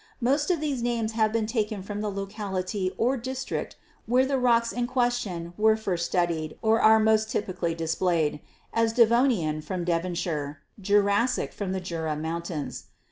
Most of these names have been taken from the locality or district where the rocks in question were first studied or are most typically displayed, as Devonian from Devonshire, Jurassic from the Jura Mountains.